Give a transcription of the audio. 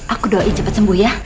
aku doain cepat sembuh ya